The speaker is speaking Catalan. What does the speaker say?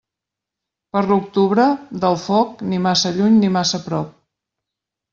Per l'octubre, del foc, ni massa lluny ni massa prop.